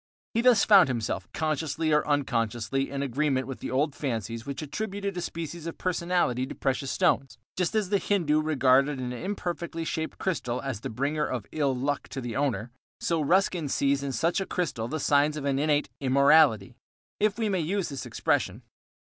He thus found himself, consciously or unconsciously, in agreement with the old fancies which attributed a species of personality to precious stones. Just as the Hindu regarded an imperfectly shaped crystal as a bringer of ill luck to the owner, so Ruskin sees in such a crystal the signs of an innate "immorality," if we may use this expression.